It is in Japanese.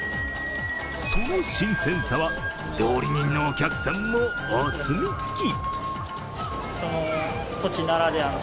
その新鮮さは、料理人のお客さんもお墨付き。